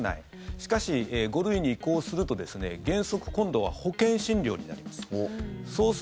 しかし、５類に移行すると、原則今度は保険診療になります。